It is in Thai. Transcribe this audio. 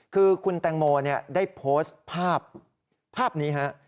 คือคุณแตงโมได้โพสต์ภาพภาพนี้ฮะ